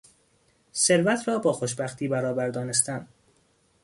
ثروت را با خوشبختی برابر دانستن